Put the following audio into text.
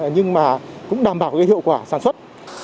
nhưng mà cũng đảm bảo hiệu quả sản xuất